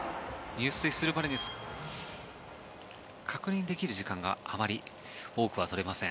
入水するまでに確認できる時間があまり多くは取れません。